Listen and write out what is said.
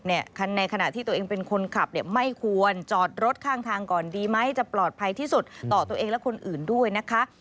ในขณะที่ตัวเองเป็นคนขับเนี่ยไม่ควรจอดรถข้างทางก่อนดีไหมจะปลอดภัยที่สุดต่อตัวเองและคนอื่นด้วยนะคะ